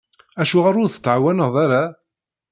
Acuɣer ur tettɛawaneḍ ara?